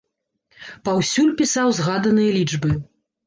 Паўсюль пісаў згаданыя лічбы.